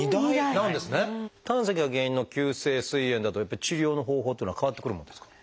胆石が原因の急性すい炎だとやっぱり治療の方法っていうのは変わってくるもんですか？